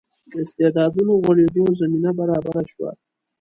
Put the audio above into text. د استعدادونو غوړېدو زمینه برابره شوه.